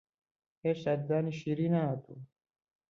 هێشتا ددانی شیری نەهاتوون